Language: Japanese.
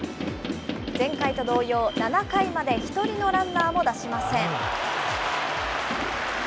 前回と同様、７回まで１人のランナーも出しません。